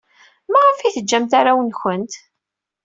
Maɣef ay teǧǧamt arraw-nwent?